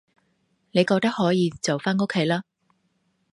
你覺得可以就返屋企啦